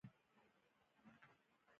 موږ نه غواړو چې دا ستره کتله شتمنه شي.